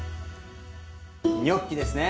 ニョッキですね。